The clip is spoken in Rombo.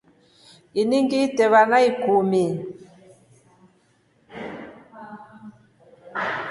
Ini ngite vana ikumi.